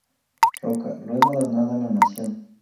Roca, luego donada a la Nación.